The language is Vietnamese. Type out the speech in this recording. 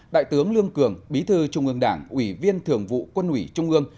đại tướng lương cường bí thư trung ương đảng ủy viên thường vụ quân ủy trung ương